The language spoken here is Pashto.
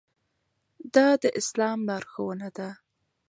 دا د اسلام لارښوونه ده.